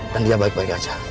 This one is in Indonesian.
dan dia baik baik aja